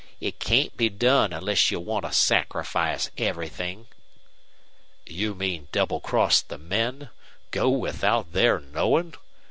It can't be done unless you want to sacrifice everything." "You mean double cross the men? Go without their knowing?